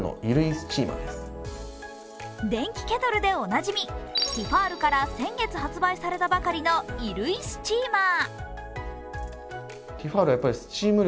電気ケトルでおなじみティファールから先月発売されたばかりの衣類スチーマー。